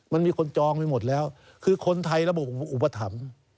มันมีคนจองไปหมดแล้วคือคนไทยระบบอุปถัมภ์